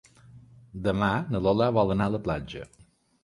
Demà na Lola vol anar a la platja.